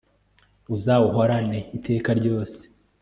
uzawuhorane iteka ryose